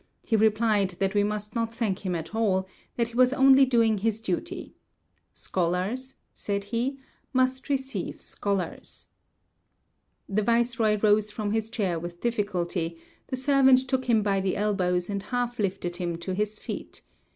He replied that we must not thank him at all; that he was only doing his duty. "Scholars," said he, "must receive scholars." The viceroy rose from his chair with difficulty; the servant took him by the elbows and half lifted him to his feet.